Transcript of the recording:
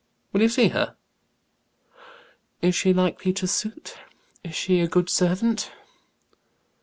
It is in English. Will you see her?" "Is she likely to suit? Is she a good servant?"